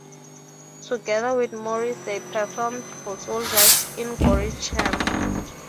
Together with Morris they performed for soldiers in Gorinchem.